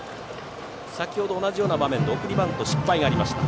先程、同じような場面で送りバント失敗がありました。